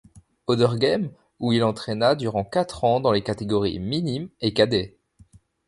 Auderghem, où il entraîna durant quatre ans dans les catégories minimes et cadets.